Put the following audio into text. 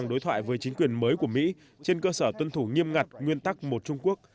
đối thoại với chính quyền mới của mỹ trên cơ sở tuân thủ nghiêm ngặt nguyên tắc một trung quốc